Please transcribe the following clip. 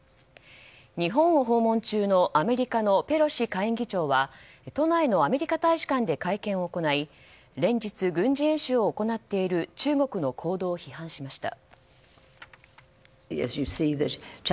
日本を訪問中のアメリカのペロシ下院議長は都内のアメリカ大使館で会見を行い連日、軍事演習を行っている中国の行動を批判しました。